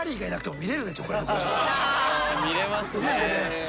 見れますね。